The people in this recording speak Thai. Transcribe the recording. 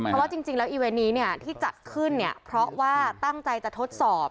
เพราะว่าจริงแล้วอีเวนต์นี้เนี่ยที่จัดขึ้นเนี่ยเพราะว่าตั้งใจจะทดสอบ